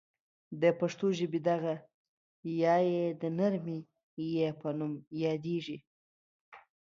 د پښتو ژبې دغه یا ی د نرمې یا په نوم یادیږي.